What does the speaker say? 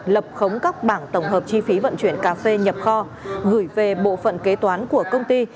lập khống các bảng tổng hợp chi phí vận chuyển cà phê nhập kho gửi về bộ phận kế toán của công ty